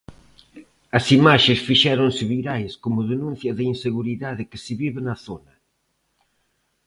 As imaxes fixéronse virais como denuncia da inseguridade que se vive na zona.